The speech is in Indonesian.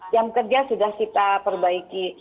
jam kerja sudah kita perbaiki